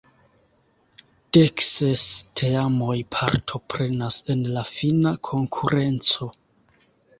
Dekses teamoj partoprenas en la fina konkurenco.